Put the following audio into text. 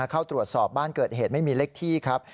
เข้าตรวจสอบบ้านเกิดเหตุไม่มีเลขที่ครับ